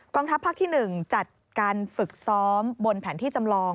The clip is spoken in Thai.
ทัพภาคที่๑จัดการฝึกซ้อมบนแผนที่จำลอง